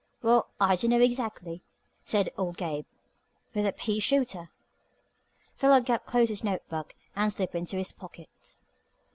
"Well, I dunno exactly," said old Gabe. "With a pea shooter." Philo Gubb closed his notebook, and slipped it into his pocket.